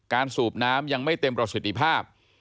สูบน้ำยังไม่เต็มประสิทธิภาพ